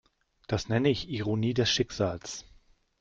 Das nenne ich Ironie des Schicksals.